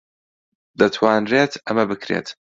دەتوانرێت ئەمە بکرێت.